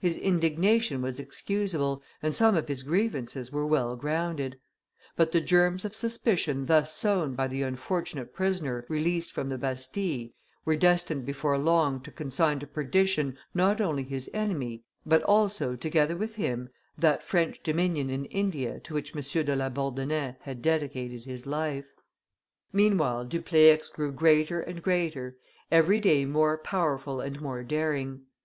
His indignation was excusable, and some of his grievances were well grounded; but the germs of suspicion thus sown by the unfortunate prisoner released from the Bastille were destined before long to consign to perdition not only his enemy, but also, together with him, that French dominion in India to which M. de La Bourdonnais had dedicated his life. Meanwhile Dupleix grew greater and greater, every day more powerful and more daring.